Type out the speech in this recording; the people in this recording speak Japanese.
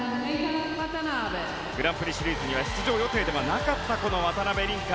グランプリシリーズには出場予定ではなかった渡辺倫果。